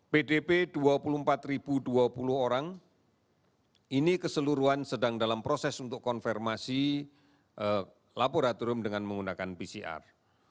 pdp dua puluh empat dua puluh orang ini keseluruhan sedang dalam proses untuk konfirmasi laboratorium dengan menggunakan pcr